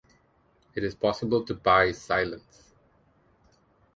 It is possible to buy silence.